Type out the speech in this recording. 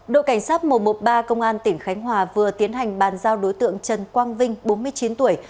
đội cảnh sát một trăm một mươi ba công an tỉnh khánh hòa vừa tiến hành bàn giao đối tượng trần quang vinh bốn mươi chín tuổi